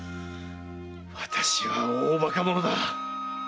私は大バカ者だ！